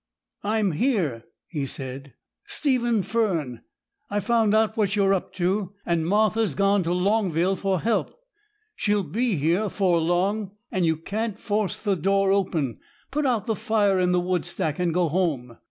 'I'm here,' he said, 'Stephen Fern. I found out what you are up to, and Martha's gone to Longville for help. She'll be here afore long, and you can't force the door open. Put out the fire in the wood stack, and go home.